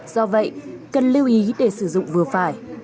do vậy cần lưu ý để sử dụng vừa phải